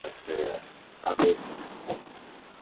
La normalidad clínica es total al cabo de una semana.